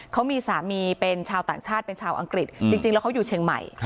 เขามีสามีเป็นชาวต่างชาติเป็นชาวอังกฤษจริงแล้วเขาอยู่เชียงใหม่